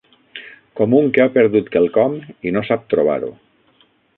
Com un que ha perdut quelcom i no sap trobar-ho